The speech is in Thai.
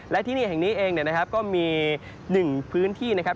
และที่นี่แห่งนี้เองก็มีหนึ่งพื้นที่นะครับ